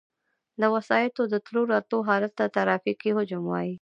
د وسایطو د تلو راتلو حالت ته ترافیکي حجم وایي